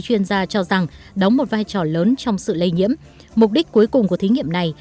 chuyên gia cho rằng đóng một vai trò lớn trong sự lây nhiễm mục đích cuối cùng của thí nghiệm này